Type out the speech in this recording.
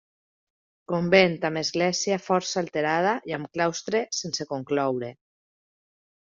Convent amb església força alterada i amb claustre sense concloure.